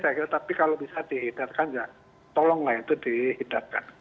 saya kira tapi kalau bisa dihidarkan ya tolonglah itu dihidapkan